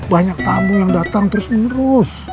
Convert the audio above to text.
banyak tamu yang datang terus menerus